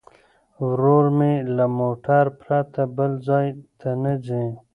ورور مې له موټر پرته بل ځای ته نه ځي.